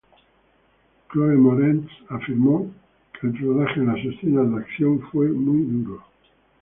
Chloë Moretz afirmó que el rodaje de las escenas de acción fue muy duro.